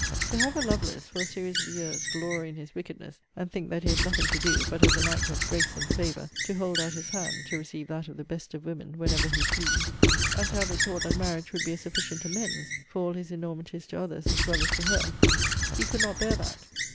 To have a Lovelace, for a series of years, glory in his wickedness, and think that he had nothing to do, but as an act of grace and favour to hold out his hand to receive that of the best of women, whenever he pleased, and to have it thought that marriage would be a sufficient amends for all his enormities to others as well as to her he could not bear that.